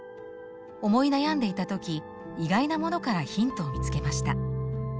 思い悩んでいた時意外なものからヒントを見つけました。